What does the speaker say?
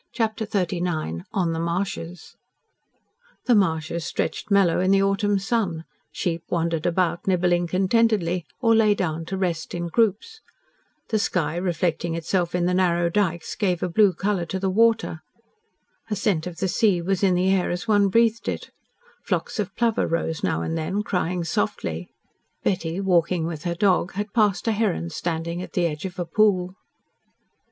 CHAPTER XXXIX ON THE MARSHES THE marshes stretched mellow in the autumn sun, sheep wandered about, nibbling contentedly, or lay down to rest in groups, the sky reflecting itself in the narrow dykes gave a blue colour to the water, a scent of the sea was in the air as one breathed it, flocks of plover rose, now and then, crying softly. Betty, walking with her dog, had passed a heron standing at the edge of a pool.